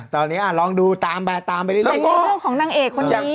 ตอนนี้ลองดูตามไปเราก็ของนางเอกคนนี้